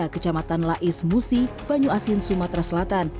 kecamatan lais musi banyu asin sumatera selatan